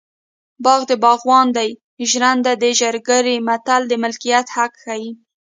باغ د باغوان دی ژرنده د ژرندګړي متل د ملکیت حق ښيي